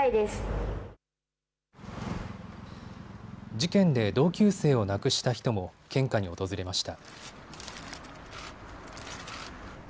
事件で同級生を亡くした人も献花に訪れました。